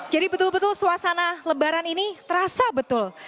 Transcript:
jadi betul betul suasana lebaran ini terasa betul